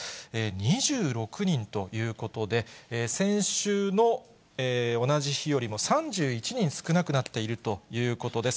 ２６人ということで、先週の同じ日よりも３１人少なくなっているということです。